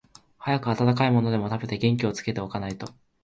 早く何か暖かいものでも食べて、元気をつけて置かないと、